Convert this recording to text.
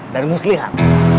dan mus lihat